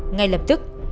ngay lập tức